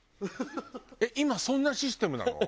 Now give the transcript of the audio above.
えっ今そんなシステムなの？